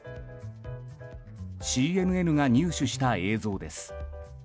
ＣＮＮが入手した映像です。